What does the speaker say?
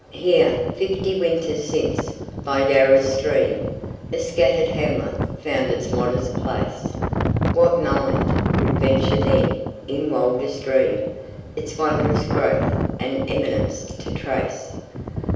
"Here, fifty winters since, by Yarra's stream, A scattered hamlet found its modest place: What mind would venture then in wildest dream Its wondrous growth and eminence to trace?